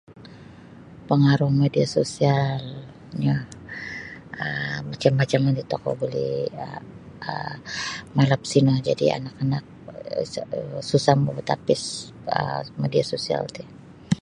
Pangaruh media sosialnyo um macam-macam nogu tokou buli um malap sino jadi' anak-anak sa um susah mau batapis um media sosial ti.